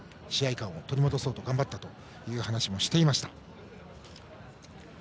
勘を取り戻そうと頑張ったという話もしていました。